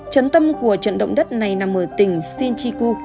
trấn tâm của trận động đất này nằm ở tỉnh sinchiku